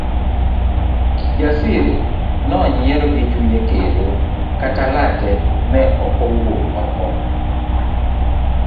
Kijasiri nonyiero gichunye kendo kata lake ne okowuok oko.